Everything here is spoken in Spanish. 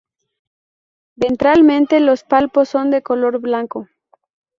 Ventralmente los palpos son de color blanco.